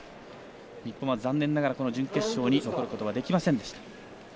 日本は残念ながら、この準決勝残ることができませんでした。